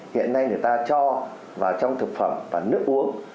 hiện nay người ta cho vào trong thực phẩm và nước uống